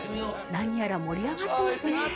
何やら盛り上がっていますね。